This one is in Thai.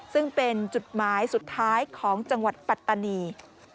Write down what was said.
ซึ่งเป็นจุดหมายสุดท้ายของจังหวัดปัตตานี